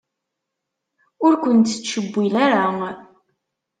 Ur ken-tettcewwil ara.